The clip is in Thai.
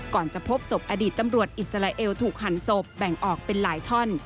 จะพบศพอดีตตำรวจอิสราเอลถูกหันศพแบ่งออกเป็นหลายท่อน